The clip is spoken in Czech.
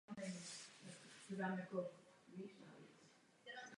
Z každé skupiny postoupila první dvě mužstva do dvou semifinálových skupin.